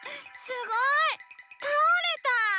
すごいたおれた！